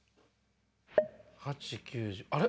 ８、９、１０あれ？